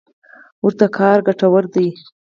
ورته کار ګټور دی.